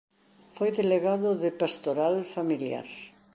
Foi delegado de Pastoral Familiar.